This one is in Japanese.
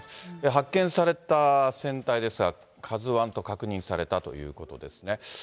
発見された船体ですが、カズワンと確認されたということですね。